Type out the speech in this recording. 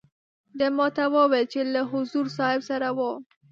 ده ما ته وویل چې له حضور صاحب سره وو.